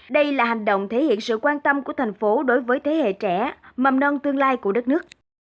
đây là hành động thể hiện sự quan tâm của thành phố đối với thế hệ trẻ mầm non tương lai của đất nước